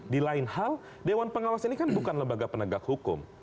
di lain hal dewan pengawas ini kan bukan lembaga penegak hukum